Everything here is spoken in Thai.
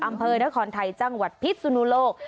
อำเภอนครไทยจังหวัดพิษสุนุโลก